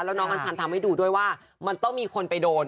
แล้วน้องอัญชันทำให้ดูด้วยว่ามันต้องมีคนไปโดน